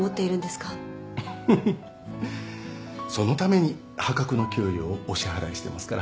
フフッそのために破格の給料をお支払いしてますから。